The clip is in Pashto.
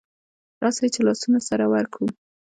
راسئ چي لاسونه سره ورکړو